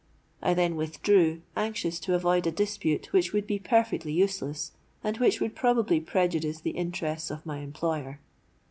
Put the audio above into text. I then withdrew, anxious to avoid a dispute which would be perfectly useless, and which would probably prejudice the interests of my employer.